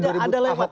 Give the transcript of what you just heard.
tidak ada lewat